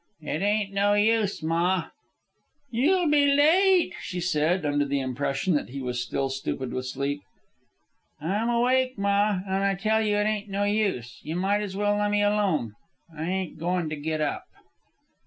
"It ain't no use, ma." "You'll be late," she said, under the impression that he was still stupid with sleep. "I'm awake, ma, an' I tell you it ain't no use. You might as well lemme alone. I ain't goin' to git up."